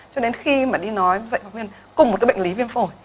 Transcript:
cho nên khi mà đi nói dạy pháp viên cùng một cái bệnh lý viêm phổi